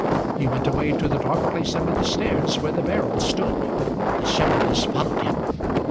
He went away to the dark place under the stairs where the barrel stood. The shepherdess followed him.